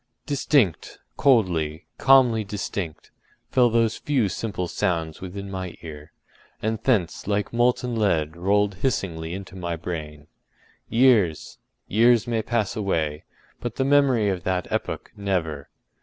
” Distinct, coldly, calmly distinct, fell those few simple sounds within my ear, and thence like molten lead rolled hissingly into my brain. Years—years may pass away, but the memory of that epoch—never!